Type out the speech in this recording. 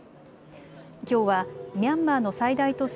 きょうはミャンマーの最大都市